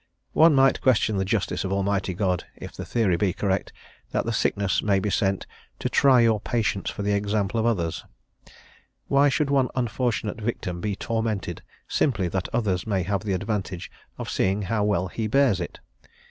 One might question the justice of Almighty God if the theory be correct that the sickness may be sent "to try your patience for the example of others;" why should one unfortunate victim be tormented simply that others may have the advantage of seeing how well he bears it?